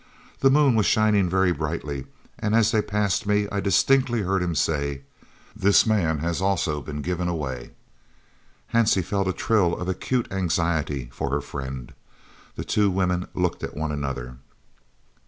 The moon was shining very brightly, and, as they passed me, I distinctly heard him say, 'This man has also been given away.'" Hansie felt a thrill of acute anxiety for her friend. The two women looked at one another.